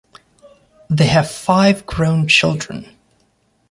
They have five grown children.